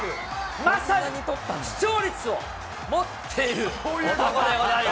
まさに視聴率を持っている男でございます。